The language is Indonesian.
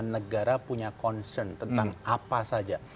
satu ratus delapan puluh sembilan negara punya concern tentang apa saja